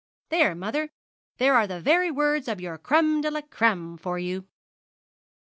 There, mother; there are the very words of your "Crême de la Crême" for you.'